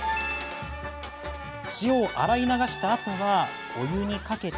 塩を洗い流したあとはお湯にかけて